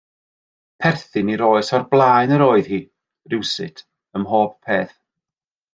Perthyn i'r oes o'r blaen yr oedd hi, rywsut ym mhob peth.